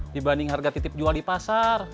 dibanding harga titip jual di pasar